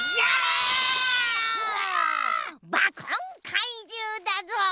バコンかいじゅうだぞ！